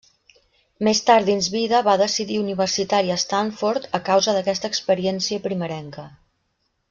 Més tard dins vida va decidir universitari a Stanford a causa d'aquesta experiència primerenca.